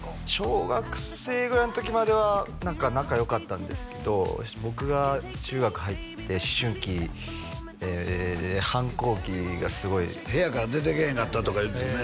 小学生ぐらいの時までは何か仲良かったんですけど僕が中学入って思春期で反抗期がすごい部屋から出てけえへんかったとか言うてたね